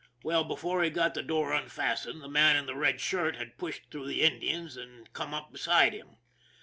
Well, before he got the door unfastened, the man in the red shirt had pushed through the Indians and come up beside him.